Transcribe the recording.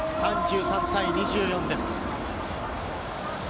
３３対２４です。